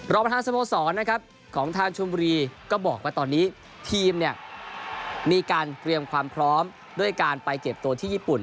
ประธานสโมสรนะครับของทางชมบุรีก็บอกว่าตอนนี้ทีมเนี่ยมีการเตรียมความพร้อมด้วยการไปเก็บตัวที่ญี่ปุ่น